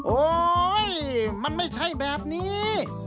โอ๊ยมันไม่ใช่แบบนี้